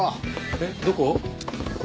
えっどこ？